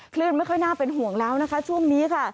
คลื่นไม่ค่อยน่าเป็นห่วงแล้วนะคะช่วงนี้ค่ะ